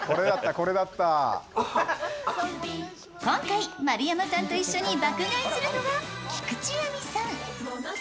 今回、丸山さんと一緒に爆買いするのは菊地亜美さん。